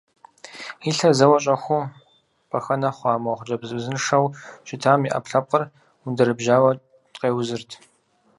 И лъэр зэуэ щӏэхуу пӏэхэнэ хъуа мо хъыджэбз узыншэу щытам и ӏэпкълъэпкъыр ундэрэбжьауэ къеузырт.